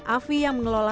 afi yang mengelola